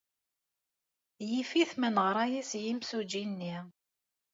Yif-it ma neɣra-as i yimsujji-nni.